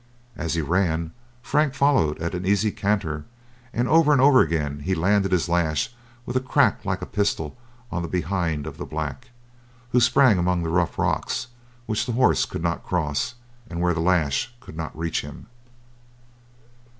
As he ran, Frank followed at an easy canter, and over and over again he landed his lash with a crack like a pistol on the behind of the black, who sprang among the rough rocks which the horse could not cross, and where the lash could not reach him.